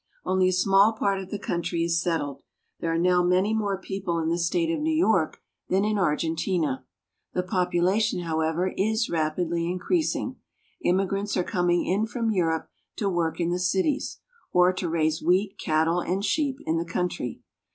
Only a small part of the country is settled. There are now many more people in the State of New York than in Argentina. The population, however, is rapidly increasing. Immigrants are coming in from Europe to work in the cities or to raise wheat, cattle, and sheep in the country.